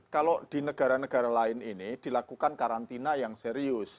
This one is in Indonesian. kalau di negara negara lain ini dilakukan karantina yang serius